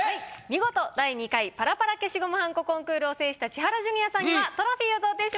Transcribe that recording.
見事第２回パラパラ消しゴムはんこコンクールを制した千原ジュニアさんにはトロフィーを贈呈します。